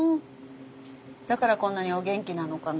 だからこんなにお元気なのかな？